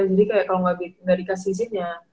jadi kayak kalau gak dikasih izin ya